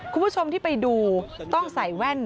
คุณผู้ชมที่ไปดูต้องใส่แว่น